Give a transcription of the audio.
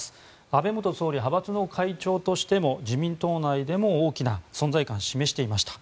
安倍元総理、派閥の会長としても自民党内で大きな存在感を示していました。